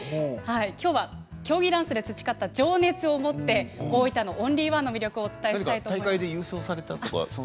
きょうは競技ダンスで培った情熱を持って大分のオンリーワンの魅力をお伝えします。